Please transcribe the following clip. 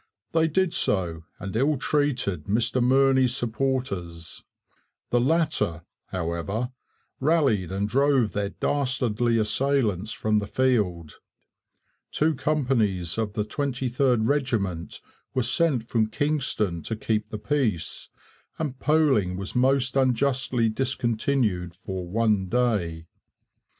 They did so and ill treated Mr Murney's supporters. The latter, however, rallied and drove their dastardly assailants from the field. Two companies of the 23rd Regiment were sent from Kingston to keep the peace, and polling was most unjustly discontinued for one day.'